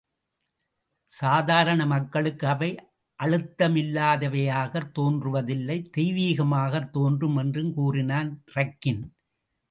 சாதாரண மக்களுக்கு, அவை அழுத்தமில்லாதவையாகத் தோன்றுவதில்லை தெய்வீகமாகத் தோன்றும்! என்று கூறினான் ரக்கின்.